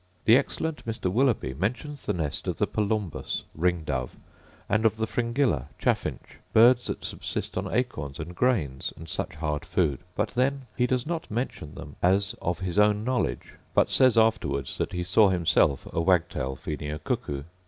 The excellent Mr. Willughby mentions the nest of the palumbus (ring dove), and of the fringilla (chaffinch), birds that subsist on acorns and grains, and such hard food: but then he does not mention them as of his own knowledge; but says afterwards that he saw himself a wagtail feeding a cuckoo.